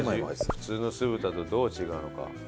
普通の酢豚とどう違うのか。